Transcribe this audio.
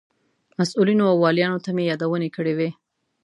مسئولینو او والیانو ته مې یادونې کړې وې.